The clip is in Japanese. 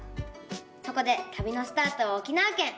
そこでたびのスタートは沖縄県。